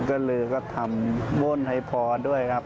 ก็เลยก็ทำว่นให้พรด้วยครับ